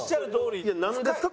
いやなんですか？